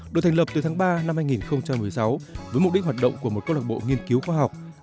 được thành lập từ tháng ba năm hai nghìn một mươi sáu với mục đích hoạt động của một câu lạc bộ nghiên cứu khoa học